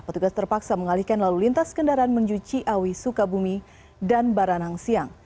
petugas terpaksa mengalihkan lalu lintas kendaraan menuju ciawi sukabumi dan baranang siang